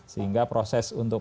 sehingga proses untuk